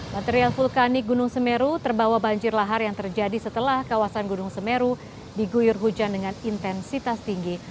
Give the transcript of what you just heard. material vulkanik gunung semeru terbawa banjir lahar yang terjadi setelah kawasan gunung semeru diguyur hujan dengan intensitas tinggi